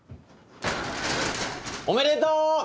おめでとう！